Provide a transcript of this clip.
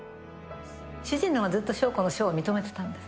主人のほうが、ずっと翔子の書を認めてたんです。